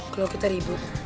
kalau kita ribut